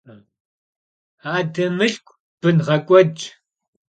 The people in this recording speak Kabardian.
Ade mılhku bınğek'uedş.